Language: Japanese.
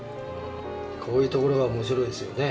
こういうところが面白いですよね。